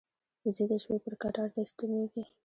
وزې د شپې پر کټار ته ستنېږي